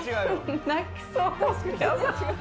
泣きそう。